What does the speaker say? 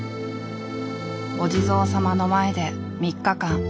お地蔵さまの前で３日間。